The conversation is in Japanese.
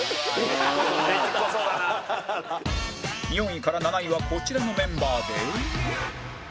４位から７位はこちらのメンバーで